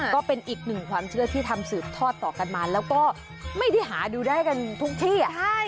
ก็เป็นอีกหนึ่งความเชื่อที่ทำสืบทอดต่อกันมาแล้วก็ไม่ได้หาดูได้กันทุกที่